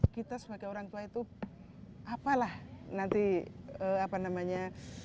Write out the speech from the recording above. kita sebagai orang tua itu apalah nanti apa namanya